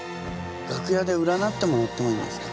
楽屋で占ってもらってもいいですか？